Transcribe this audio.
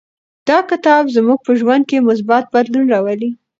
دا کتاب زموږ په ژوند کې مثبت بدلون راولي.